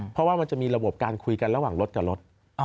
เพราะว่ามันจะมีระบบการคุยกันระหว่างรถกับรถ